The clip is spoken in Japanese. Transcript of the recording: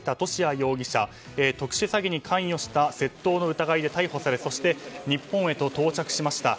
容疑者特殊詐欺に関与した窃盗の疑いで逮捕されそして、日本へと到着しました。